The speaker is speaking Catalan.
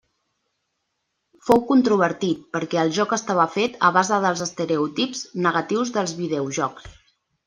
Fou controvertit perquè el joc estava fet a base dels estereotips negatius dels videojocs.